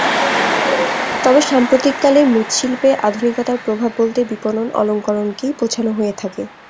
তবে সাম্প্রতিককালে মৃৎশিল্পে আধুনিকতার প্রভাব বলতে বিপণন অলংকরণকেই বোঝানো হয়ে থাকে।